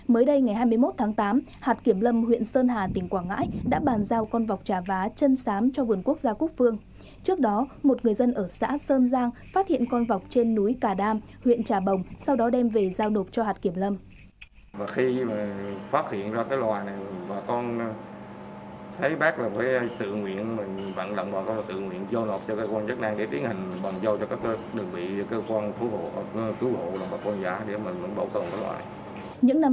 mới đây ngày hai mươi một tháng tám hạt kiểm lâm huyện sơn hà tỉnh quảng ngãi đã bàn giao con vọc trà vá chân sám cho quận quốc gia quốc phương trước đó một người dân ở xã sơn giang phát hiện con vọc trên núi cà đam huyện trà bồng sau đó đem về giao nộp cho hạt kiểm lâm